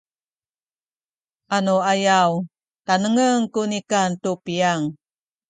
anuayaw tanengen ku nikan tu piyang